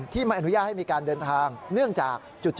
ไม่อนุญาตให้มีการเดินทางเนื่องจากจุด